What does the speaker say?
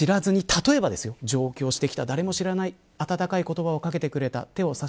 例えば上京してきた誰も知らない温かい言葉をかけてくれた。